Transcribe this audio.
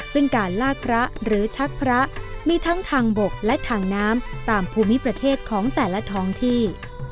ซึ่งการลากพระหรือชักพระมีทั้งทางบกและทางน้ำตามภูมิประเทศของแต่ละท้องที่